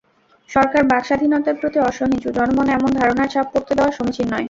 সরকার বাক্স্বাধীনতার প্রতি অসহিষ্ণু—জনমনে এমন ধারণার ছাপ পড়তে দেওয়া সমীচীন নয়।